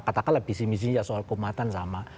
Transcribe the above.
katakanlah bisnisnya soal keumatan sama